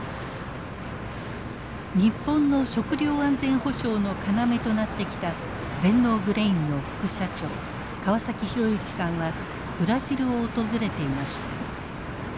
日本の食料安全保障の要となってきた全農グレインの副社長川崎浩之さんはブラジルを訪れていました。